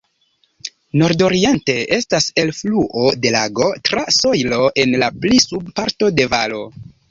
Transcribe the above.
Nordoriente estas elfluo de lago, tra sojlo en la pli suba parto de valo.